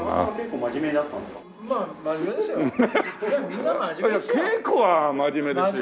真面目ですよ。